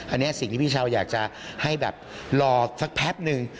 อันนี้สิ่งที่พี่เช้าอยากจะให้แบบรอสักแป๊บนึง